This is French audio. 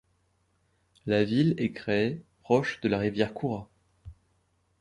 La ville est créée proche de la rivière Koura.